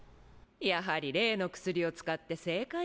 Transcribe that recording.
やはり例の薬を使って正解ね。